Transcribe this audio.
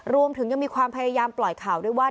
รวมถึงยังมีความพยายามปล่อยข่าวด้วยว่า